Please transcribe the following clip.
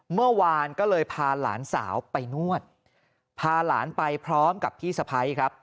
เมื่อวานก็เลยพาหลานสาวไปนวดพาหลานไปพร้อมกับพี่สะพ้ายครับ